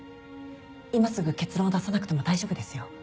今すぐ結論を出さなくても大丈夫ですよ。